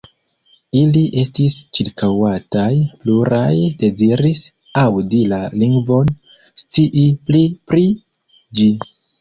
Ili estis ĉirkaŭataj, pluraj deziris aŭdi la lingvon, scii pli pri ĝi.